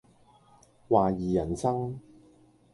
懷疑人生